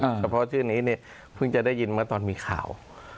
เพราะว่าชื่อนี้เพิ่งจะได้ยินมาตอนมีข่าว